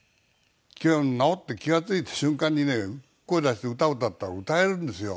治って気が付いた瞬間にね声出して歌を歌ったら歌えるんですよ。